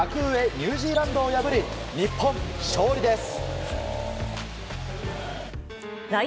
ニュージーランドを破り日本、勝利です。